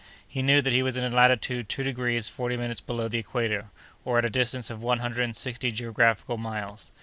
He knew that he was in latitude two degrees forty minutes below the equator, or at a distance of one hundred and sixty geographical miles.